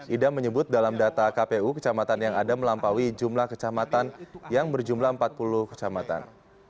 idam menyebut dalam data kpu kecamatan yang ada melampaui jumlah kecamatan yang berjumlah empat puluh kecamatan